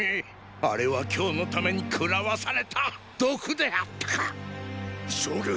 あれは今日のために喰らわされた毒であったか将軍